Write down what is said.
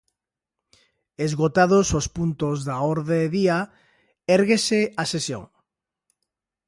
Esgotados os puntos da orde día, érguese a sesión.